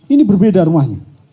ini berbeda rumahnya